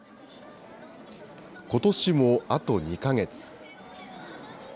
ことしもあと２か月。